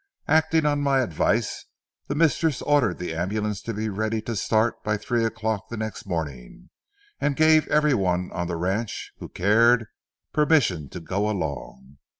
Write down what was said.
Acting on my advice, the mistress ordered the ambulance to be ready to start by three o'clock the next morning, and gave every one on the ranch who cared, permission to go along.